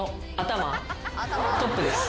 トップです。